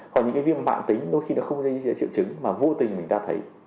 hoặc những cái viêm mạng tính đôi khi nó không gây triệu chứng mà vô tình người ta thấy